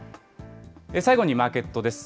最後にマーケットです。